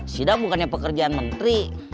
sida bukannya pekerjaan menteri